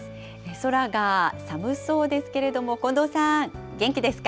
空が寒そうですけれども、近藤さん、元気ですか？